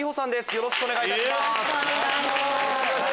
よろしくお願いします。